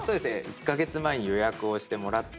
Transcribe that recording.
１カ月前に予約をしてもらって。